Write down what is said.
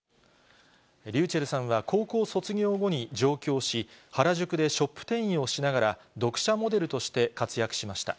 ｒｙｕｃｈｅｌｌさんは高校卒業後に上京し、原宿でショップ店員をしながら読者モデルとして活躍しました。